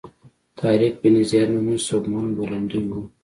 طارق بن زیاد نومي سوبمن بولندوی و.